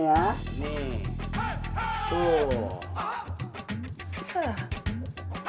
salah lihat kali nih lihat nih ya